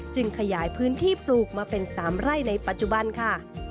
ขยายพื้นที่ปลูกมาเป็น๓ไร่ในปัจจุบันค่ะ